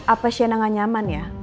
apa sienna gak nyaman ya